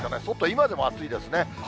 外、今でも暑いですね。